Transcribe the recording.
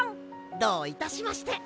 どういたしまして。